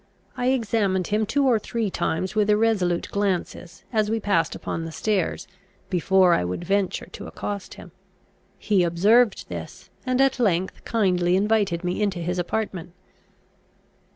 I examined him two or three times with irresolute glances, as we passed upon the stairs, before I would venture to accost him. He observed this, and at length kindly invited me into his apartment.